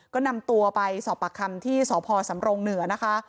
ก็นำตัวไปสอบปากคำที่สพสำรงเหนือนะคะ